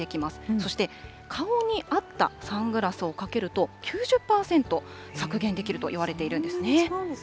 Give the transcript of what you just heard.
そして顔に合ったサングラスをかけると、９０％削減できるといわれているんですね。